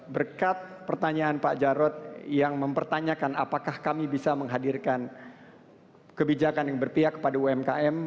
berkat pertanyaan pak jarod yang mempertanyakan apakah kami bisa menghadirkan kebijakan yang berpihak kepada umkm